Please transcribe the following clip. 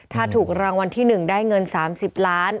ถ้าถูกรางวัลที่๑ได้เงิน๓๐ล้าน